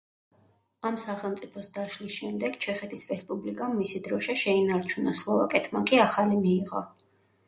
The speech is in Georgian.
ამ სახელმწიფოს დაშლის შემდეგ, ჩეხეთის რესპუბლიკამ მისი დროშა შეინარჩუნა, სლოვაკეთმა კი ახალი მიიღო.